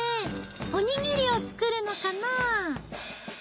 おにぎりを作るのかな？